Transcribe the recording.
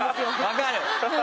分かる！